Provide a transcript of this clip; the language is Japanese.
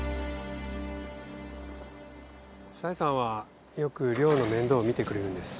紗英さんはよく亮の面倒を見てくれるんです。